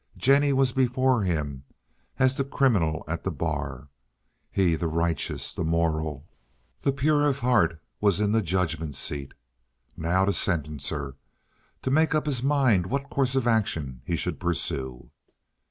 Jennie was before him as the criminal at the bar. He, the righteous, the moral, the pure of heart, was in the judgment seat. Now to sentence her—to make up his mind what course of action he should pursue.